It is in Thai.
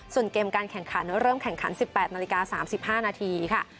ส่วนเกมการแข่งขันเริ่มแข่งขัน๑๘นาฬิกา๓๕นาทีค่ะ